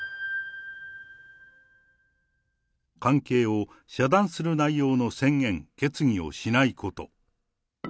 関係を遮断する内容の宣言・決議をしないこと。